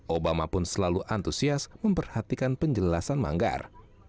obama pun selalu antusias memperhatikan penjelasan manggar